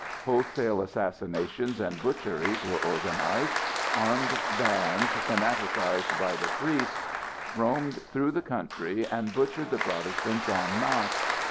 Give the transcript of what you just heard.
Wholesale assassinations and butcheries were organized; armed bands, fanaticized by the priests, roamed through the country, and butchered the Protestants en masse.